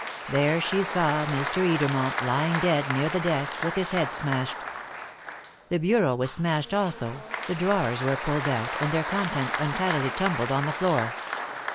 There she saw Mr. Edermont lying dead near the desk, with his head smashed. The bureau was smashed also, the drawers were pulled out, and their contents untidily tumbled on the floor.